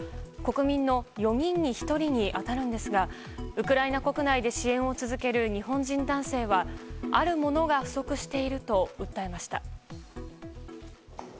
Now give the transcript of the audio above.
国民の４人に１人に当たるんですがウクライナ国内で支援を続ける日本人男性はあるものが不足していると訴えました。